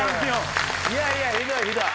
いやいやひどいひどい。